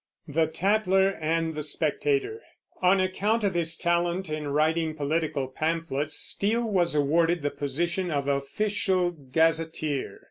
THE TATLER AND THE SPECTATOR. On account of his talent in writing political pamphlets, Steele was awarded the position of official gazetteer.